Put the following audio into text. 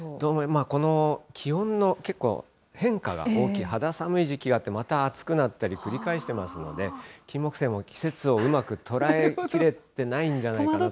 この気温の結構、変化が大きい肌寒い時期があって、また暑くなったり繰り返してますので、キンモクセイも季節をうまく捉えきれてないんじゃないかなと。